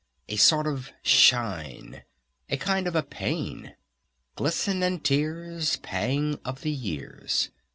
A sort of a Shine! A kind of a Pain! "Glisten and Tears, Pang of the years."